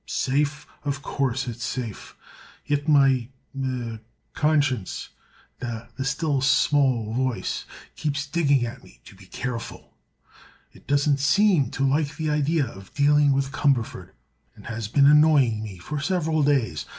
Safe? Of course it's safe. Yet my—er—conscience—the still small voice—keeps digging at me to be careful. It doesn't seem to like the idea of dealing with Cumberford, and has been annoying me for several days.